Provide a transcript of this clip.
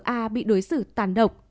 a bị đối xử tàn độc